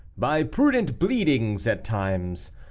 By prudent bleedings at times.